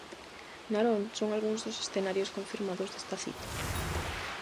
Narón son algúns dos escenarios confirmados desta cita.